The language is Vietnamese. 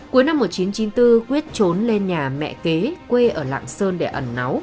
cuối năm một nghìn chín trăm chín mươi bốn quyết trốn lên nhà mẹ kế quê ở lạng sơn để ẩn náu